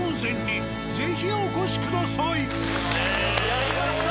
やりました。